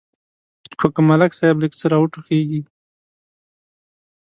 خو که ملک صاحب لږ څه را وټوخېږي.